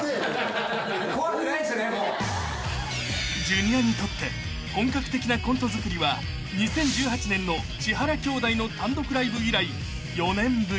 ［ジュニアにとって本格的なコント作りは２０１８年の千原兄弟の単独ライブ以来４年ぶり］